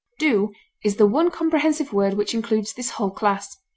Do is the one comprehensive word which includes this whole class.